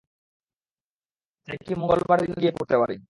চাই কি মঙ্গলবার দিনও গিয়ে পড়তে পারি।